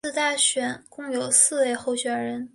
这次大选共有四位候选人。